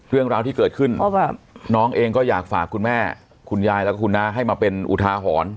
เรื่องราวที่เกิดขึ้นน้องเองก็อยากฝากคุณแม่คุณยายแล้วก็คุณน้าให้มาเป็นอุทาหรณ์